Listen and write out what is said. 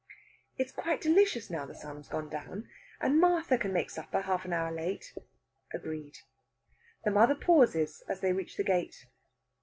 "It's quite delicious now the sun's gone down, and Martha can make supper another half hour late." Agreed. The mother pauses as they reach the gate.